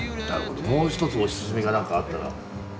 もう一つおすすめが何かあったら。